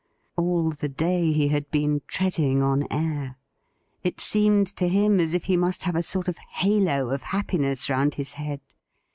All the day he had been treading on air. It seemed to him as if he must have a sort of halo of happiness round his head.